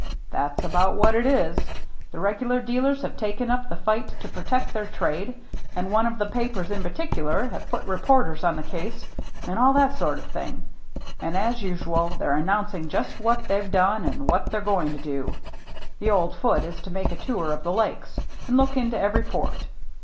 " That's about what it is. The regular dealers have taken up the fight to protect their trade, and one or two of the papers in particular have put reporters on the case, and all that sort of thing. And as usual they're announcing just what they've done and what they're going to do. The old Foote is to make a tour of the Lakes, and look into every port.